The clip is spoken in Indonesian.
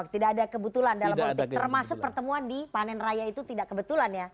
tidak ada kebetulan dalam politik termasuk pertemuan di panen raya itu tidak kebetulan ya